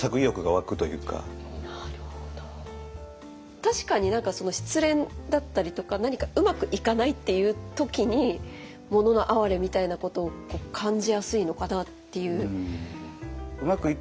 確かに失恋だったりとか何かうまくいかないっていう時に「もののあはれ」みたいなことを感じやすいのかなっていう。